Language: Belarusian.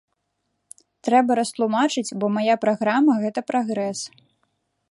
Трэба растлумачыць, бо мая праграма гэта прагрэс.